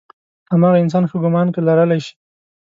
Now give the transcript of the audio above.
هماغه انسان ښه ګمان لرلی شي.